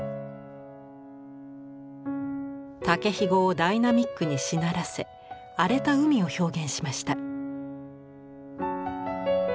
竹ひごをダイナミックにしならせ荒れた海を表現しました。